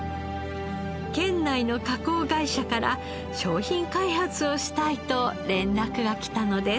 県内の加工会社から商品開発をしたいと連絡がきたのです。